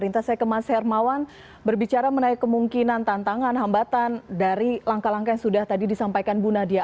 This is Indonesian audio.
saya ke mas hermawan berbicara menaik kemungkinan tantangan hambatan dari langkah langkah yang sudah tadi disampaikan bu nadia